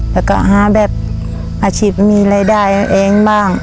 แล้วก็หาแบบอาชีพมีรายได้เองบ้าง